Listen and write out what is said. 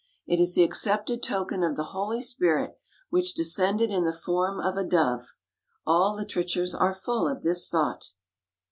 It is the accepted token of the Holy Spirit, "which descended in the form of a dove." All literatures are full of this thought.